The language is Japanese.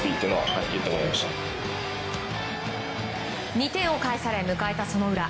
２点を返され迎えたその裏。